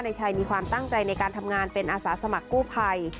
นายชัยมีความตั้งใจในการทำงานเป็นอาสาสมัครกู้ภัย